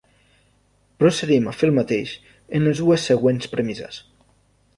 Procedim a fer el mateix en les dues següents premisses.